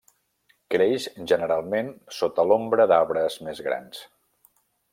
Creix generalment sota l'ombra d'arbres més grans.